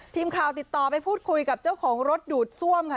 ทีมข่าวติดต่อไปพูดคุยกับเจ้าของรถดูดซ่วมค่ะ